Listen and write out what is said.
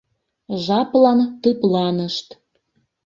Жаплан тыпланышт.